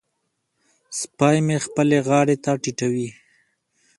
سپی مې خپلې غاړې ته ټيټوي.